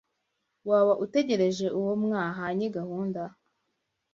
waba utegereje uwo mwahanye gahunda